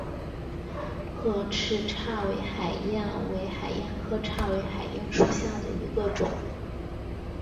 褐翅叉尾海燕为海燕科叉尾海燕属下的一个种。